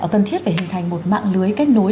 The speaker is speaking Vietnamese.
cần thiết phải hình thành một mạng lưới kết nối